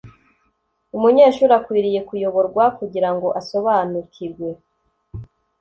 umunyeshuri akwiriye kuyoborwa kugira ngo asobanukirwe